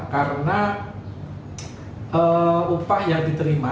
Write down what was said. karena upah yang diterima